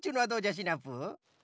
シナプー。